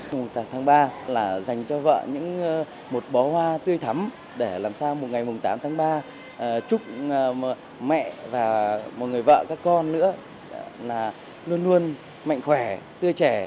hôm tám tháng ba là dành cho vợ những một bó hoa tươi thấm để làm sao một ngày tám tháng ba chúc mẹ và một người vợ các con nữa là luôn luôn mạnh khỏe tươi trẻ